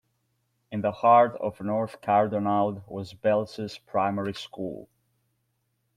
In the heart of north Cardonald was Belses Primary school.